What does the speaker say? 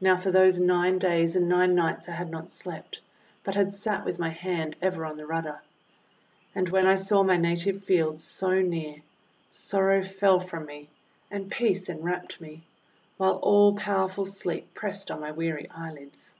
Now for those nine days and nine nights I had not slept, but had sat with my hand ever on the rudder. And when I saw my native fields so near, sorrow fell from me and peace enwrapped me, while all powerful Sleep pressed on my weary eyelids.